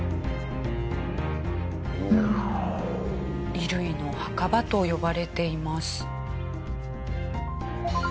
「衣類の墓場」と呼ばれています。